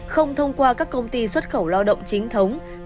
không thông qua các công ty xuất khẩu lao động chính thống